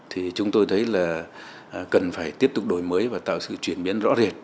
thì chúng tôi thấy là cần phải tiếp tục đổi mới và tạo sự chuyển biến rõ rệt